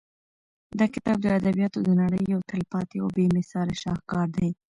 دا کتاب د ادبیاتو د نړۍ یو تلپاتې او بې مثاله شاهکار دی.